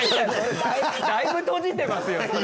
だいぶ閉じてますよそれ。